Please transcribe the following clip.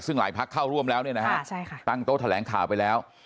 ซึ่งหลายพักเข้าร่วมแล้วเนี่ยนะฮะตั้งโต๊ะแถลงข่าวไปแล้ว